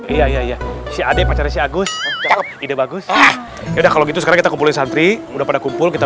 iya iya iya si ade pacarnya agus ide bagus udah kalau gitu sekarang kita kami udah pada kumpul kita